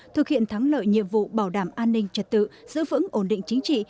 thực hiện thắng lợi nhiệm vụ bảo đảm an ninh trật tự giữ vững ổn định chính trị